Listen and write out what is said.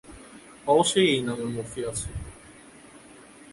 অবশ্যই এই নামে মুভি আছে।